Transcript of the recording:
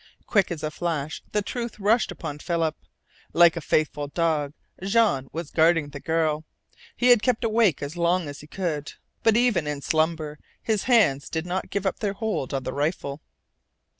Quick as a flash the truth rushed upon Philip. Like a faithful dog Jean was guarding the girl. He had kept awake as long as he could, but even in slumber his hands did not give up their hold on the rifle.